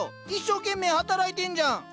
一生懸命働いてんじゃん！